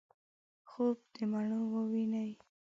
خوب دمڼو وویني